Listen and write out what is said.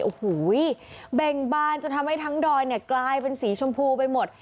โอ้โหเบ่งบานจนทำให้ทั้งดอยเนี่ยกลายเป็นสีชมพูไปหมด